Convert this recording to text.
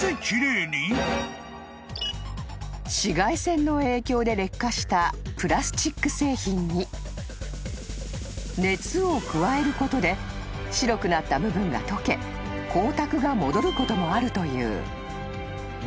［紫外線の影響で劣化したプラスチック製品に熱を加えることで白くなった部分が溶け光沢が戻ることもあるという］